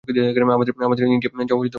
আমাদের ইন্ডিয়া যাওয়া মোটেও উচিত হচ্ছে না।